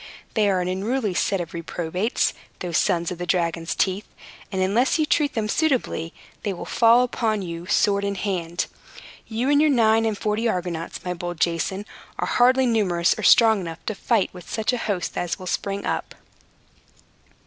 They are an unruly set of reprobates, those sons of the dragon's teeth; and unless you treat them suitably, they will fall upon you sword in hand. You and your nine and forty Argonauts, my bold Jason, are hardly numerous or strong enough to fight with such a host as will spring up."